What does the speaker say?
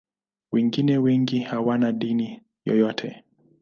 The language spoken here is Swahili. Wengine wengi hawana dini yoyote.